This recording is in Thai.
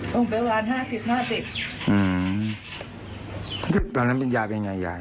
ต้องไปวานห้าสิบห้าสิบอืมตอนนั้นเป็นยาเป็นไงยาย